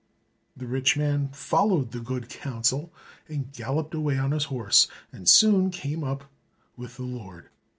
The rich man followed the good counsel and galloped away on his horse, and soon came up with the Lord.